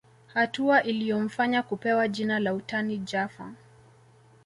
Hatua iliyomfanya kupewa jina la utani Jaffa